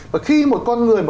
và khi một con người